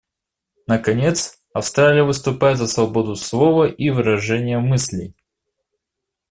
Наконец, Австралия выступает за свободу слова и выражения мыслей.